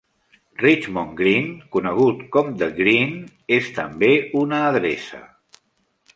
Richmond Green, conegut com "The Green", és també una adreça.